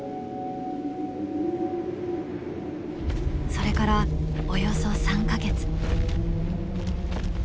それからおよそ３か月。